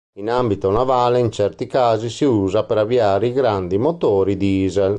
In ambito navale in certi casi si usa per avviare i grandi motori diesel.